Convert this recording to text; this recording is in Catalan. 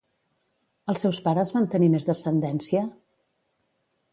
Els seus pares van tenir més descendència?